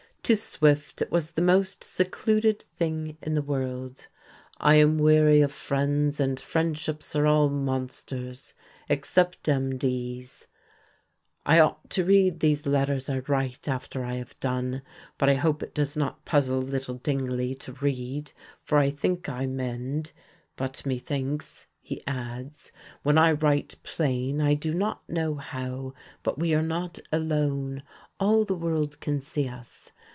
To Swift it was the most secluded thing in the world. "I am weary of friends, and friendships are all monsters, except MD's;" "I ought to read these letters I write after I have done. But I hope it does not puzzle little Dingley to read, for I think I mend: but methinks," he adds, "when I write plain, I do not know how, but we are not alone, all the world can see us.